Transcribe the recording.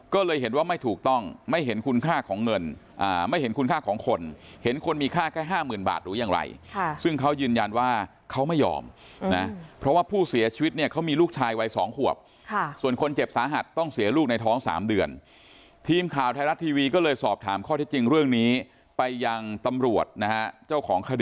ก็เลยเห็นว่าไม่ถูกต้องไม่เห็นคุณค่าของเงินไม่เห็นคุณค่าของคนเห็นคนมีค่าแค่ห้าหมื่นบาทหรือยังไรซึ่งเขายืนยันว่าเขาไม่ยอมนะเพราะว่าผู้เสียชีวิตเนี่ยเขามีลูกชายวัย๒ขวบส่วนคนเจ็บสาหัสต้องเสียลูกในท้อง๓เดือนทีมข่าวไทยรัฐทีวีก็เลยสอบถามข้อที่จริงเรื่องนี้ไปยังตำรวจนะฮะเจ้าของคดี